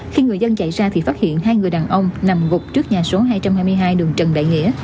khi người dân chạy ra thì phát hiện hai người đàn ông nằm gục trước nhà số hai trăm hai mươi hai đường trần đại nghĩa